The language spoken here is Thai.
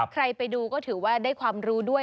ใครไปดูก็ถือว่าได้ความรู้ด้วย